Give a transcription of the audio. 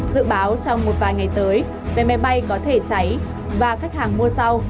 dự báo trong một vài ngày tới vé máy bay có thể cháy và khách hàng mua sau